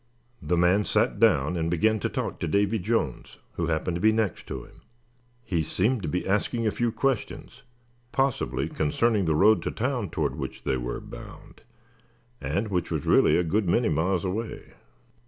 The man sat down and began to talk to Davy Jones, who happened to be next him. He seemed to be asking a few questions, possibly concerning the road to the town toward which they were bound, and which was really a good many miles away.